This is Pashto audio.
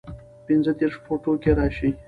پنځۀدېرش فوټو کښې راشي